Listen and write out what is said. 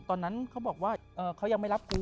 ตอนนั้นเขาบอกว่าเขายังไม่รับครู